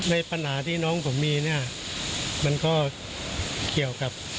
ในปัญหาที่น้องผมมีเนี่ยมันก็เกี่ยวกับ